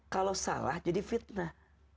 kalau salah jadi fitnah